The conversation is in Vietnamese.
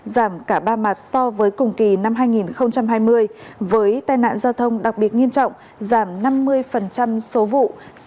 giảm cả ba mặt so với cùng kỳ năm hai nghìn hai mươi với tai nạn giao thông đặc biệt nghiêm trọng giảm năm mươi số vụ